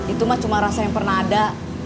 itu mah cuma rasa yang pernah ada